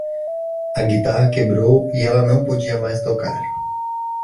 A guitarra quebrou e ela não podia mais tocar.